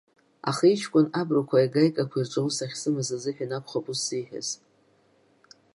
Аха иҷкәын абруқәеи агаикақәеи рҿы аус ахьсымаз азыҳәан акәхап ус зиҳәаз.